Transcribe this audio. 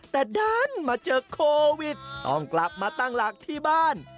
แต่ดันมาเจอโควิดต้องกลับมาตั้งหลักที่บ้าน